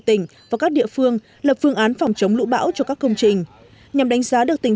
tỉnh và các địa phương lập phương án phòng chống lũ bão cho các công trình nhằm đánh giá được tình